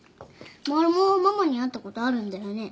マルモはママに会ったことあるんだよね。